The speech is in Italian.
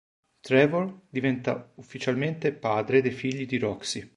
Trevor diventa ufficialmente padre dei figli di Roxy.